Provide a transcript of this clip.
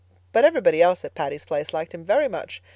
But everybody else at Patty's Place liked him very much.